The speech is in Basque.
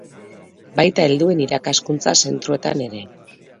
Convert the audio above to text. Baita helduen irakaskuntza zentroetan ere.